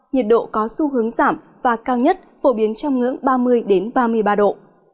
nhiệt độ có xu hướng giảm và cao nhất phổ biến trong ngưỡng ba mươi ba mươi ba độ